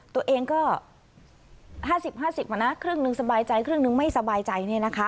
ตัวเองก็๕๐๕๐มานะครึ่งนึงสบายใจครึ่งนึงไม่สบายใจ